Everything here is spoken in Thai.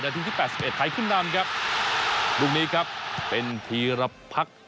นาทีที่แปดสิบเอ็ดไทยคุณนำครับลุงนี้ครับเป็นทีละพัก